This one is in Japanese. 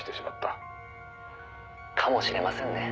「かもしれませんね」